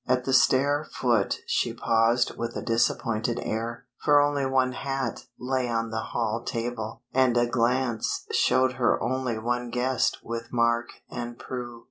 At the stair foot she paused with a disappointed air, for only one hat lay on the hall table, and a glance showed her only one guest with Mark and Prue.